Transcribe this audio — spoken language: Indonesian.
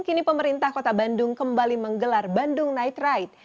kini pemerintah kota bandung kembali menggelar bandung night ride